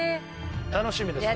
楽しみですね。